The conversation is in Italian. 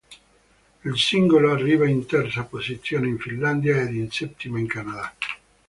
Il singolo arriva in terza posizione in Finlandia ed in settima in Canada.